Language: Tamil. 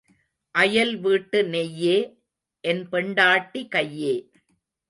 அயல் வீட்டு நெய்யே, என் பெண்டாட்டி கையே.